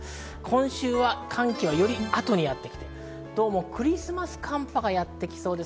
今週は寒気がより後にやってきて、どうもクリスマス寒波がやってきそうです。